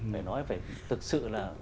phải nói phải thực sự là